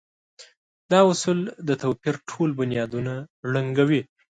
دا اصول د توپير ټول بنيادونه ړنګوي.